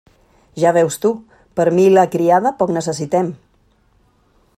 Ja veus tu, per a mi i la criada poc necessitem.